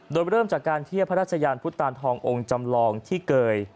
โดยเริ่มจากการเทียบพระราชยานพุทธตานทององค์จำลองที่เกย